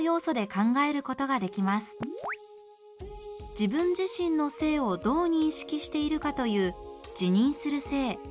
自分自身の性をどう認識しているかという「自認する性」。